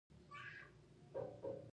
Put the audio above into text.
سره له دې چې امریکا لویه وچه کشف شوې وه.